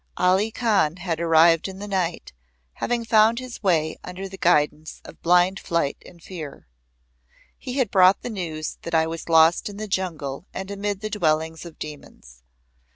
Ali Khan had arrived in the night, having found his way under the guidance of blind flight and fear. He had brought the news that I was lost in the jungle and amid the dwellings of demons.